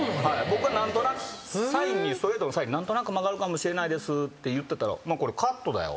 僕は何となくストレートのサインに何となく曲がるかもしれないですって言ってたら「お前これカットだよ」